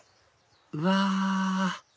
うわ！